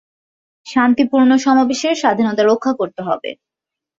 শান্তিপূর্ণ সমাবেশের স্বাধীনতা রক্ষা করতে হবে।